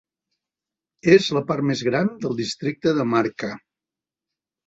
És la part més gran del districte de Marka.